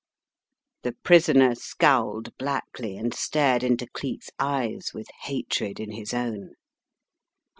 The prisoner scowled blackly and stared into Cleek's eyes with hatred in his own.